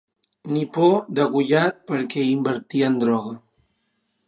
Nipó degollat perquè invertia en droga.